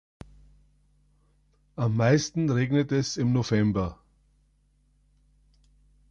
Am meisten regnet es im November.